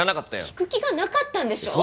聞く気がなかったんでしょ